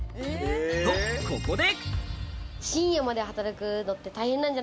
と、ここで。